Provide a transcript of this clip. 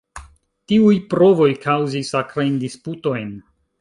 Tiuj provoj kaŭzis akrajn disputojn.